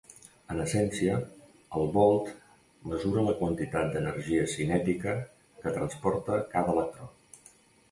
En essència, el volt mesura la quantitat d'energia cinètica que transporta cada electró.